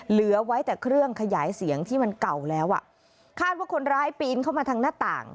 เหลือไว้แต่เครื่องขยายเสียงที่มันเก่าแล้วอ่ะคาดว่าคนร้ายปีนเข้ามาทางหน้าต่าง